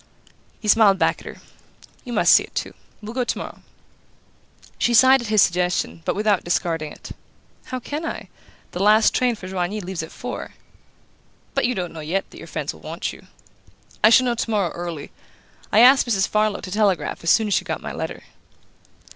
He smiled back at her. "You must see it too. We'll go tomorrow." She sighed at his suggestion, but without discarding it. "How can I? The last train for Joigny leaves at four." "But you don't know yet that your friends will want you." "I shall know tomorrow early. I asked Mrs. Farlow to telegraph as soon as she got my letter."